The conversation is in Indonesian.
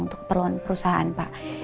untuk keperluan perusahaan pak